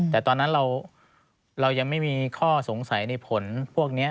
แต่ตอนนั้นเรายังไม่มีข้อสงสัยในผลพวกนี้